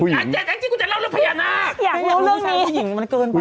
อ้าวจริงจริงจริงจริงกูจะเล่าเรื่องพยานาอยากรู้เรื่องนี้ผู้หญิงมันเกินไป